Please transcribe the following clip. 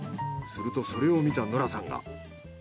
するとそれを見たノラさんが。